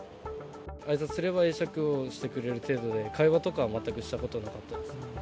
あいさつすれば会釈をしてくれる程度で、会話とかは全くしたことなかったです。